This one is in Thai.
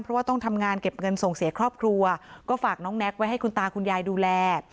เพราะว่าต้องทำงานเก็บเงินส่งเสียครอบครัวก็ฝากน้องแน็กไว้ให้คุณตาคุณยายดูแล